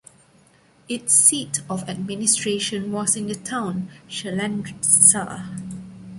Its seat of administration was in the town Chalandritsa.